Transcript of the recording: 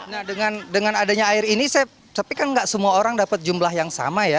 nah dengan adanya air ini saya tapi kan nggak semua orang dapat jumlah yang sama ya